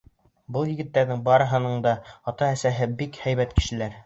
Был егеттәрҙең барыһының да ата-әсәһе бик һәйбәт кешеләр.